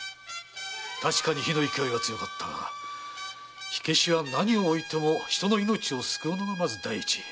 確かに火の勢いは強かったが火消しは何をおいても人の命を救うのがまず第一。